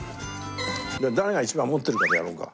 じゃあ誰が一番持ってるかでやろうか。